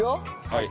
はい。